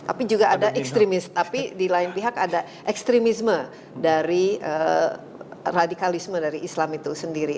tapi juga ada ekstremis tapi di lain pihak ada ekstremisme dari radikalisme dari islam itu sendiri